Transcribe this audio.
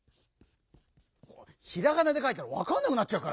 ひらがなでかいたらわかんなくなっちゃうから！